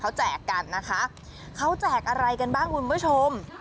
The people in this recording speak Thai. เขาแจกกันนะคะเขาแจกอะไรกันบ้างคุณผู้ชม